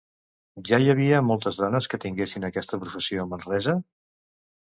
Ja hi havia moltes dones que tinguessin aquesta professió a Manresa?